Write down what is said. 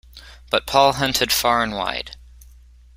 But Paul hunted far and wide.